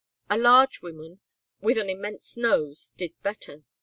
A large woman, with an immense nose, did better.